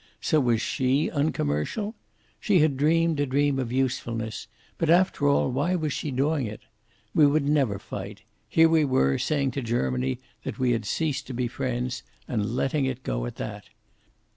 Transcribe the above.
So was she uncommercial. She had dreamed a dream of usefulness, but after all, why was she doing it? We would never fight. Here we were, saying to Germany that we had ceased to be friends and letting it go at that.